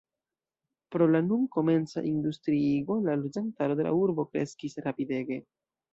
Pro la nun komenca industriigo la loĝantaro de la urbo kreskis rapidege.